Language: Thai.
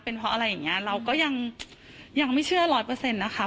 เพราะอะไรอย่างเงี้ยเราก็ยังไม่เชื่อร้อยเปอร์เซ็นต์นะคะ